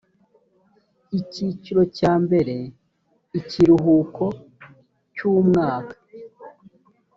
icyiciro cya mbere ikiruhuko cy umwaka